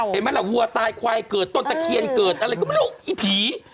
เห็นไหมล่ะวัวตายควายเกิดต้นตะเคียนเกิดอะไรก็ไม่รู้อีผี